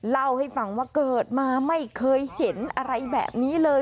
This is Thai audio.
เล่าให้ฟังว่าเกิดมาไม่เคยเห็นอะไรแบบนี้เลย